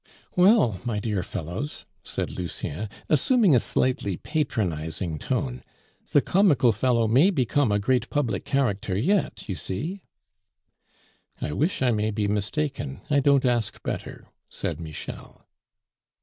"Well, my dear fellows," said Lucien, assuming a slightly patronizing tone, "the 'comical fellow' may become a great public character yet, you see." "I wish I may be mistaken; I don't ask better," said Michel.